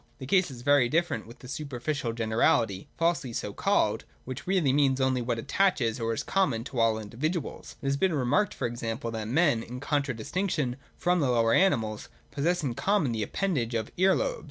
The case is very different with that superficial generality falsely so called, which really means only what attaches, or is common, to all the individuals. It has been remarked, for example, that men, in contradistinction from the lower animals, possess in common the appendage of ear lobes.